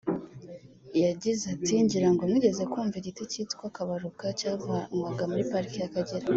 yagize ati “Ngira ngo mwigeze kumva igiti cyitwa kabaruka cyavanwaga muri parike y’Akagera